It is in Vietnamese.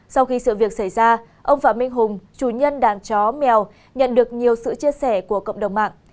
sau khi sự việc xảy ra ông phạm minh hùng chủ nhân đàn chó mèo nhận được nhiều sự chia sẻ của cộng đồng mạng